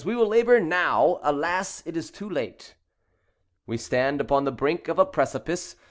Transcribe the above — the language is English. We will labor now. Alas, it is too late! We stand upon the brink of a precipice.